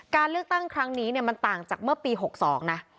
การเลือกตั้งครั้งนี้มันต่างจากเมื่อปี๖๒นะ